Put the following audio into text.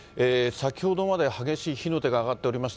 先ほどまで激しい火の手が上がっておりました。